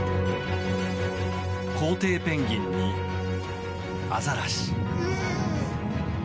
コウテイペンギンにアザラシ。